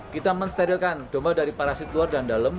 kita mensterilkan domba dari parasit luar dan dalam